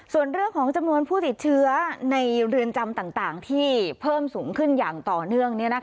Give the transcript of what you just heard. ส่วนเรื่องของจำนวนผู้ติดเชื้อในเรือนจำต่างที่เพิ่มสูงขึ้นอย่างต่อเนื่อง